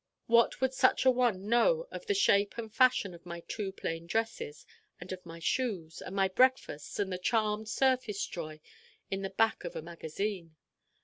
What would such a one know of the shape and fashion of my two plain dresses, and of my shoes, and my breakfasts, and the charmed surface joy in the back of a magazine?